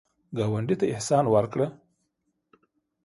ګاونډي ته احسان وکړه